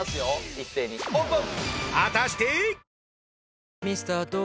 一斉にオープン！